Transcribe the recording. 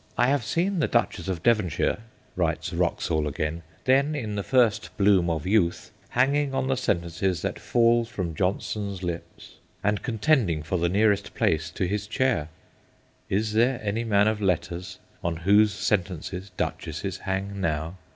' I have seen the Duchess of Devonshire/ writes Wraxall again, ' then in the first bloom of youth, hanging on the sentences that fell from Johnson's lips, and contending for the nearest place to his chair/ Is there any man of letters on whose sentences duchesses hang now